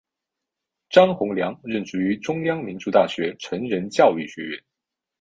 张宏良任职于中央民族大学成人教育学院。